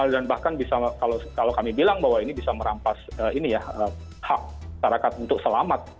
dan bahkan bisa kalau kami bilang bahwa ini bisa merampas ini ya hak masyarakat untuk selamat